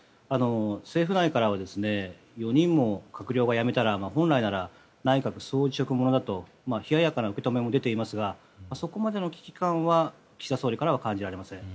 政府内からは４人も閣僚が辞めたら本来なら内閣総辞職ものだと冷ややかな受け止めも出ていますがそこまでの危機感は岸田総理からは感じられません。